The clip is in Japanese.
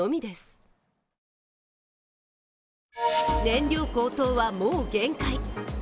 燃料高騰はもう限界。